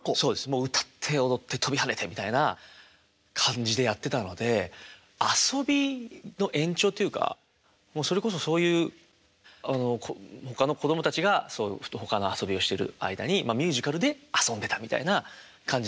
もう歌って踊って跳びはねてみたいな感じでやってたので遊びの延長というかそれこそそういうほかの子供たちがほかの遊びをしてる間にミュージカルで遊んでたみたいな感じだったんですよ。